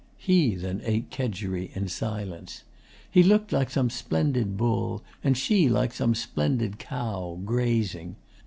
He then ate kedgeree in silence. He looked like some splendid bull, and she like some splendid cow, grazing.